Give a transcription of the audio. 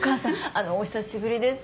あのお久しぶりです。